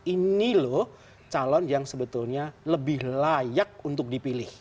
ini loh calon yang sebetulnya lebih layak untuk dipilih